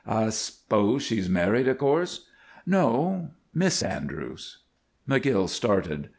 "I I s'pose she's married, of course?" "No, Miss Andrews." McGill started.